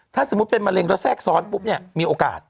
ถ้าสมมุติเป็นมะเร็งแล้วแทรกซ้อนปุ๊บเนี่ยมีโอกาส